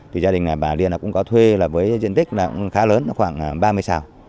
thì gia đình bà liên cũng có thuê với diện tích khá lớn khoảng ba mươi sào